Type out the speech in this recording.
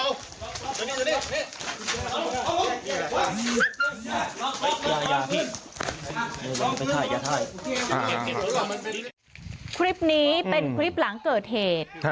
แล้วตำรวจนำกำลังบุกไปจับตัวพระ